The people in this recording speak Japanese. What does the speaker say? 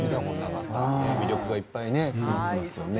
魅力がいっぱい詰まっていますね。